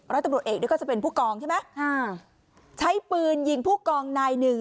ร้อยตำรวจเอกนี่ก็จะเป็นผู้กองใช่ไหมอ่าใช้ปืนยิงผู้กองนายหนึ่ง